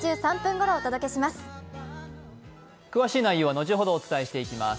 詳しい内容は後ほどお伝えしてまいります。